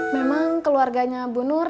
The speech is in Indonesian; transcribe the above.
memang keluarganya bu nur